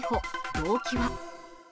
動機は？